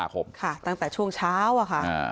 ขอบคุณทุกคน